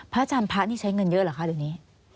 พระอาจารย์พระนี่ใช้เงินเยอะเหรอคะดังนี้